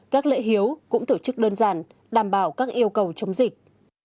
các lễ hiếu cũng tổ chức đơn giản đảm bảo các yêu cầu chống dịch